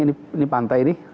ini pantai ini